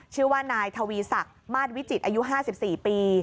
ชื่อว่านายทวีศักดิ์มาสวิจิตรอายุ๕๔ปี